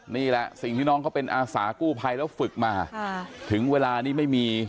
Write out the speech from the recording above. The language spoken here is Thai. นี่แหละสิ่งที่น้องเขาเป็นอาสากู้ภัยแล้วฝึกมาถึงเวลานี้ไม่มี